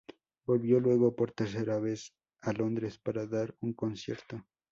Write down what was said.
Volvió luego por tercera vez a Londres para dar un concierto.